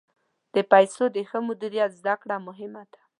د پیسو د ښه مدیریت زده کړه مهمه ده.